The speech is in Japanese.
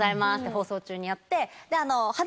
放送中にやって。